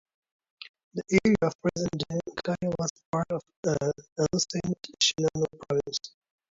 The area of present-day Okaya was part of ancient Shinano Province.